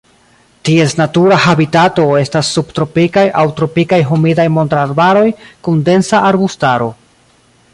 Ties natura habitato estas subtropikaj aŭ tropikaj humidaj montararbaroj kun densa arbustaro.